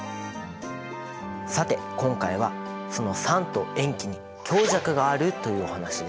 さて今回はその酸と塩基に強弱があるというお話です。